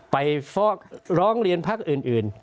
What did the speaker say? ไปฟอกร้องเรียนพรรคอื่น